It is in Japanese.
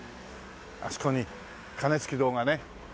あそこに鐘つき堂がね見えます。